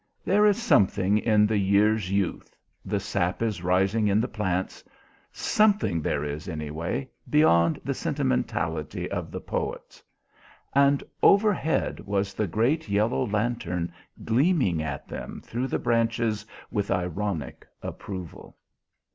There is something in the year's youth the sap is rising in the plants something there is, anyway, beyond the sentimentality of the poets. And overhead was the great yellow lantern gleaming at them through the branches with ironic approval.